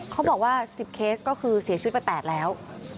เขาบอกว่า๑๐เคสก็คือเสียชีวิตไป๘แล้ว